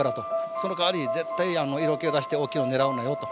そのかわり絶対色気を出して大きいのを狙うなよと。